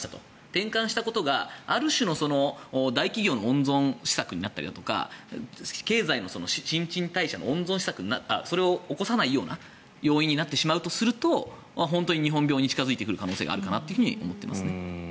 転換したことがある種の大企業の温存施策になったりとか経済の新陳代謝それを起こさないような要因になってしまうとすると本当に日本病に近付いてくる可能性があるかなと思っていますね。